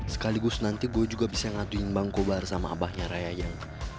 sekaligus nanti gue juga bisa ngaduin bang koba bersama abahnya raya yang